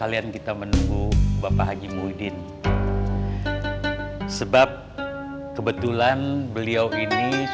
ini tuh kenapa sih